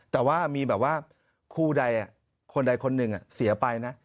แต่ว่ามีแบบว่าคู่ใดคนใดคนหนึ่งเสียไปนะ